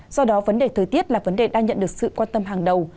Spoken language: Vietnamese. do đó vấn đề thời tiết là vấn đề đang nhận được sự quan tâm hàng đầu